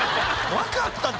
分かったて。